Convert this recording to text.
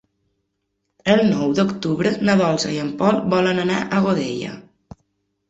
El nou d'octubre na Dolça i en Pol volen anar a Godella.